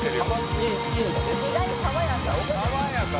意外に爽やか。